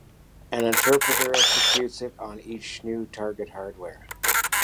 An interpreter executes it on each new target hardware.